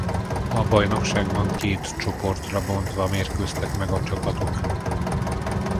A bajnokságban két csoportra bontva mérkőztek meg a csapatok.